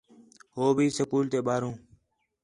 ہو بھی سکول تے ٻاہروں